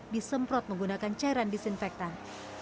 disemprot menggunakan cairan disinfektan